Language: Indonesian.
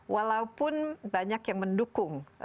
walaupun banyak yang mendukung